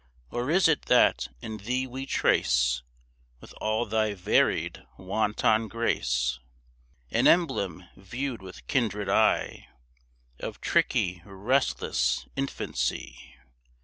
Or is it that in thee we trace, With all thy varied wanton grace, An emblem, viewed with kindred eye Of tricky, restless infancy?